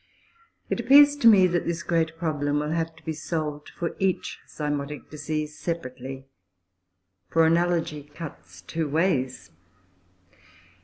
It appears to me that this great problem will have to be solved for each zymotic disease separately, for analogy cuts two ways.